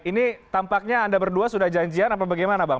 ini tampaknya anda berdua sudah janjian apa bagaimana bang